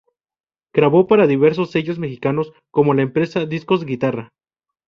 Grabó para diversos sellos mexicanos como la empresa Discos Guitarra.